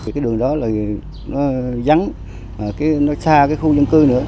cái đường đó là nó vắng nó xa cái khu dân cư nữa